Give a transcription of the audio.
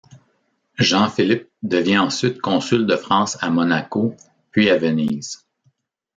Jean Philip devient ensuite consul de France à Monaco, puis à Venise.